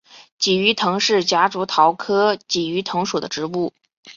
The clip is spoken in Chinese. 鲫鱼藤是夹竹桃科鲫鱼藤属的植物。